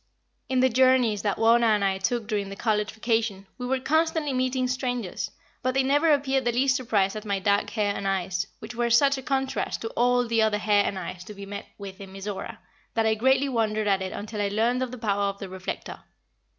In the journeys that Wauna and I took during the college vacation, we were constantly meeting strangers, but they never appeared the least surprised at my dark hair and eyes, which were such a contrast to all the other hair and eyes to be met with in Mizora, that I greatly wondered at it until I learned of the power of the reflector.